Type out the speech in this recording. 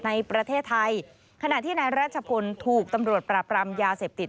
ในประเทศไทยขณะที่นายราชพลถูกตำรวจปราบรามยาเสพติด